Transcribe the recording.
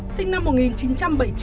sinh năm một nghìn chín trăm bảy mươi chín